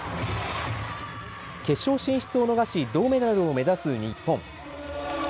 決勝進出を逃し、銅メダルを目指す日本。